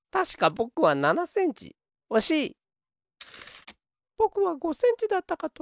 ぼくは５センチだったかと。